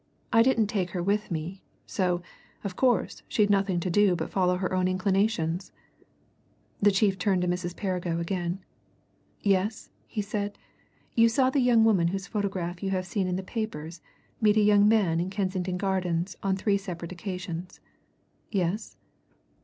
I didn't take her with me so, of course, she'd nothing to do but follow her own inclinations." The chief turned to Mrs. Perrigo again. "Yes?" he said. "You saw the young woman whose photograph you have seen in the papers meet a young man in Kensington Gardens on three separate occasions. Yes?"